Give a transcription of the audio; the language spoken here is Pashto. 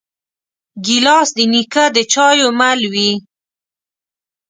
ګیلاس د نیکه د چایو مل وي.